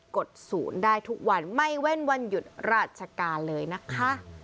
กดศูนย์ได้ทุกวันไม่เว้นวันหยุดราชการเลยนะคะ